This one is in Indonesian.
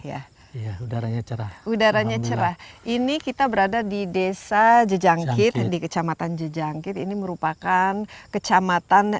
semuanya cerah ini kita berada di desa jejangkit di kecamatan jejangkit ini merupakan kecamatan